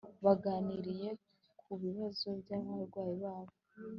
baganiriye ku bibazo by'abarwayi babo